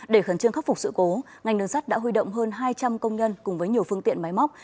để khẩn trương khắc phục sự cố ngành đường sắt đã huy động hơn hai trăm linh công nhân cùng với nhiều phương tiện máy móc